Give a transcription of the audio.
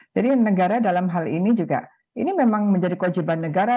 jadi negara dalam hal ini juga ini memang menjadi kewajiban negara